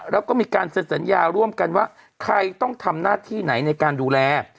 แล้วก็มีการเซ็นสัญญาร่วมกันว่าใครต้องทำหน้าที่ไหนในการดูแล